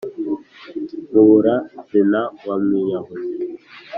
mubura-zina wa mwiyahuzi,